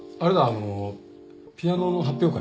あのピアノの発表会？